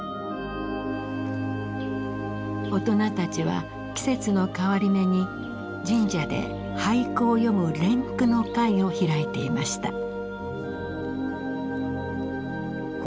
大人たちは季節の変わり目に神社で俳句を詠む連句の会を開いていました。